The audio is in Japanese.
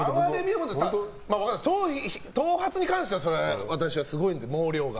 頭髪に関しては私はすごいんです、毛量が。